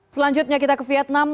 selanjutnya kita ke vietnam